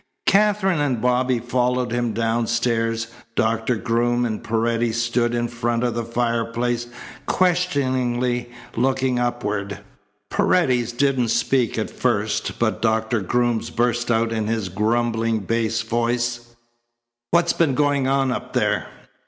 Katherine and Bobby followed him downstairs. Doctor Groom and Paredes stood in front of the fireplace, questioningly looking upward. Paredes didn't speak at first, but Doctor Groom burst out in his grumbling, bass voice: "What's been going on up there?"